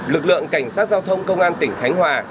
lực lượng cảnh sát giao thông công an tỉnh khánh hòa